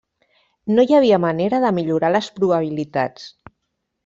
No hi havia manera de millorar les probabilitats.